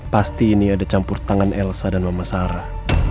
pasti ini ada campur tangan elsa dan mama sarah